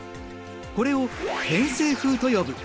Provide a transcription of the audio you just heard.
これを偏西風と呼ぶ。